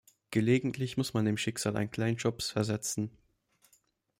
Gelegentlich muss man dem Schicksal einen kleinen Schubs versetzen.